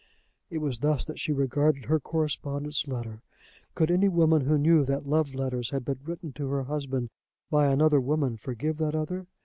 It was thus that she regarded her correspondent's letter. Could any woman who knew that love letters had been written to her husband by another woman forgive that other?